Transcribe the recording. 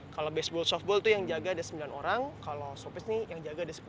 kalau baseball softball itu yang jaga ada sembilan orang kalau slow pitch ini yang jaga ada sepuluh